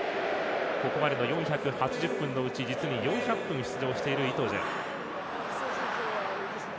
ここまでの４８０分のうち実に４００分出場しているイトジェ。